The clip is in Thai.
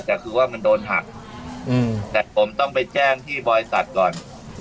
แต่คือว่ามันโดนหักแต่ผมต้องไปแจ้งที่บริษัทก่อน